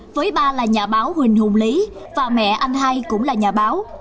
với ba là nhà báo huỳnh hùng lý và mẹ anh hai cũng là nhà báo